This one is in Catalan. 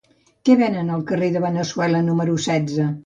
Què venen al carrer de Veneçuela número setze?